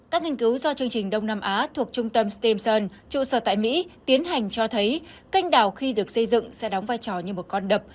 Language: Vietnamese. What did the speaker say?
các nghiên cứu do chương trình đông nam á thuộc trung tâm stemson trụ sở tại mỹ tiến hành cho thấy canh đào khi được xây dựng sẽ đóng vai trò như một con đập